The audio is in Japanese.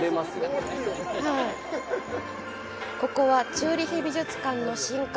ここはチューリヒ美術館の新館。